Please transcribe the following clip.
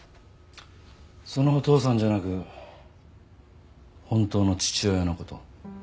そのお父さんじゃなく本当の父親の事。